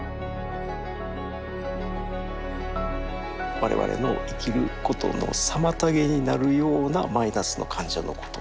我々の生きることの妨げになるようなマイナスの感情のことです。